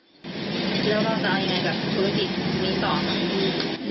แล้วก็เอาอย่างไรกับธุรกิจมีตอน